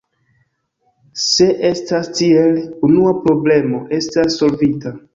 Se estas tiel, unua problemo estas solvita.